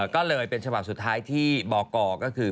ก็เลยเป็นฉบับสุดท้ายที่บกก็คือ